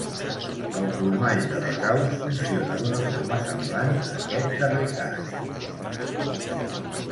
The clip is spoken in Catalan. El plomall de les aus funciona d'una forma semblant a aquest darrer cas.